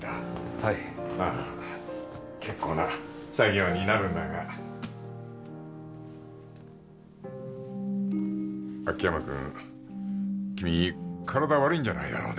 はい結構な作業になるんだが秋山くん君体悪いんじゃないだろうね